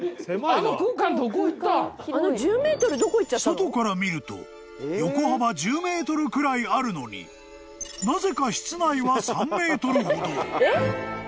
［外から見ると横幅１０ｍくらいあるのになぜか室内は３ｍほど］